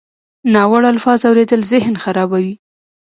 ناوړه الفاظ اورېدل ذهن خرابوي.